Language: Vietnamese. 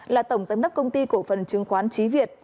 là tổng giám đốc công ty cổ phần chứng khoán trí việt